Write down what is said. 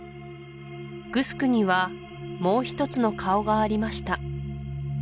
グスクにはもう一つの顔がありました